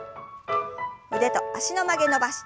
腕と脚の曲げ伸ばし。